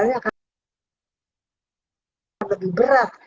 itu akan lebih berat